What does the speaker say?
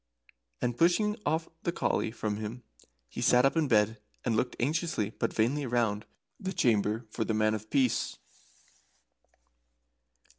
And pushing the collie from him, he sat up in bed and looked anxiously but vainly round the chamber for the Man of Peace.